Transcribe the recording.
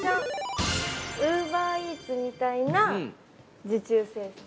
◆ウーバーイーツみたいな受注生産。